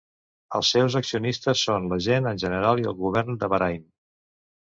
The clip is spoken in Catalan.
Els seus accionistes són la gent en general i el govern de Bahrain.